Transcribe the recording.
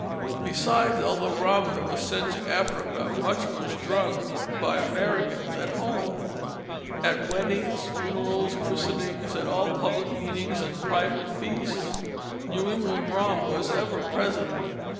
Besides all the rum that was sent to Africa, much was drunk by Americans at home. At weddings, funerals, christenings, at all public meetings and private feasts, New England rum was ever present.